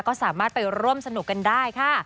ก็สามารถไปร่วมสนุกกันได้ค่ะ